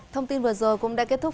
thông tin vừa rồi cũng đã kết thúc